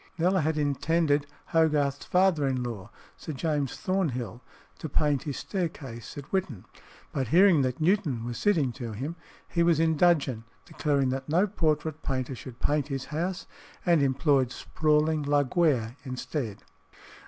Kneller had intended Hogarth's father in law, Sir James Thornhill, to paint his staircase at Whitton, but hearing that Newton was sitting to him, he was in dudgeon, declared that no portrait painter should paint his house, and employed "sprawling" Laguerre instead.